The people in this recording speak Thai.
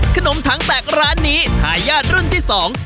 ขนมถังแตกร้านนี้ทายาทรุ่นที่สอง